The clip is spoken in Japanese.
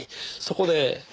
そこで。